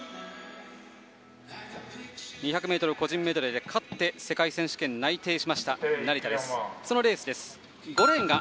２００ｍ個人メドレーで勝って世界選手権内定、成田です。